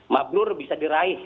maknur bisa diraih